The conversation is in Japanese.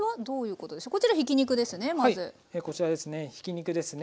こちらですね